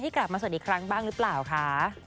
กลับมาสวดอีกครั้งบ้างหรือเปล่าคะ